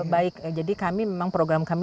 baik jadi kami memang program kami